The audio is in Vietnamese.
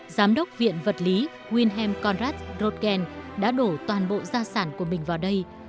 giám đốc viện vật lý wilhelm konrad rothgen đã đổ toàn bộ gia sản của mình vào đây